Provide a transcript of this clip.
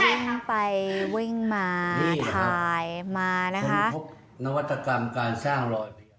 อืมวิ่งไปวิ่งมาถ่ายมานะครับ